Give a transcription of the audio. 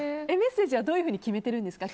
メッセージはどういうふうに決めてるんですか。